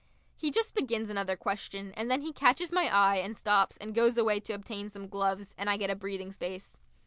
He just begins another question, and then he catches my eye and stops and goes away to obtain some gloves, and I get a breathing space.